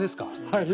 はい。